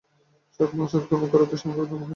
সৎ হওয়া এবং সৎ কর্ম করাতেই সমগ্র ধর্ম পর্যবসিত।